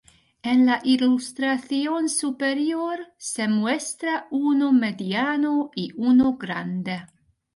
En la ilustración superior se muestra uno mediano y uno grande.